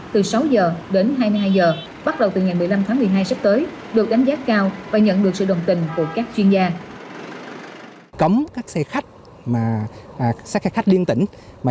từ sáu h đến hai mươi hai h bắt đầu từ ngày một mươi năm tháng một mươi hai sắp tới được đánh giá cao và nhận được sự đồng tình của các chuyên gia